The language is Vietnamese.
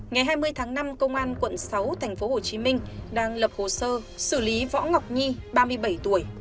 ngày hai mươi tháng năm công an quận sáu thành phố hồ chí minh đang lập hồ sơ xử lý võ ngọc nhi ba mươi bảy tuổi